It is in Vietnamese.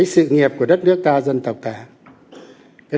sự nghiệp của đất nước ta dân tộc ta